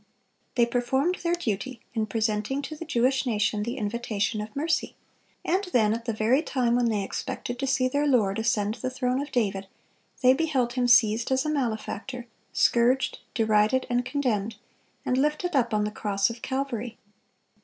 They performed their duty in presenting to the Jewish nation the invitation of mercy, and then, at the very time when they expected to see their Lord ascend the throne of David, they beheld Him seized as a malefactor, scourged, derided, and condemned, and lifted up on the cross of Calvary.